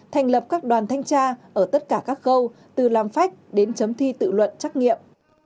thành lập các đoàn thanh tra ở tất cả các khâu từ làm phách đến chấm thi tự luận trách nhiệm